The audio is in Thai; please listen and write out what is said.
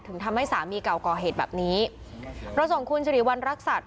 ทำให้สามีเก่าก่อเหตุแบบนี้เราส่งคุณสิริวัณรักษัตริย